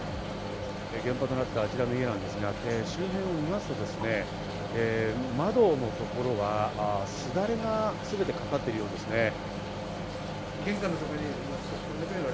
現場となったあちらの家なんですが周辺を見ますと窓のところはすだれがすべてかかっているようですね。